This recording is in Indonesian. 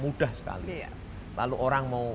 mudah sekali lalu orang mau